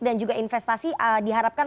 dan juga investasi diharapkan